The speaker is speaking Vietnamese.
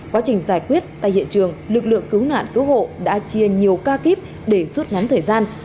quá trình giải quyết tại hiện trường lực lượng cứu nạn cứu hộ đã chia nhiều ca kíp để rút ngắn thời gian